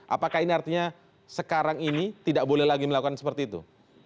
apakah ini artinya sekarang ini tidak boleh lagi melakukan seperti itu